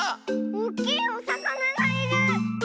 おっきいおさかながいる！